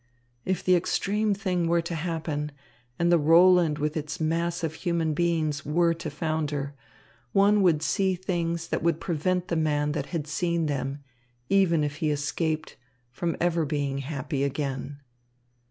If the extreme thing were to happen, and the Roland with its mass of human beings were to founder, one would see things that would prevent the man that had seen them, even if he escaped, from ever being happy again.